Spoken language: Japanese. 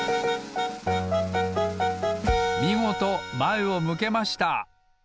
みごとまえを向けました！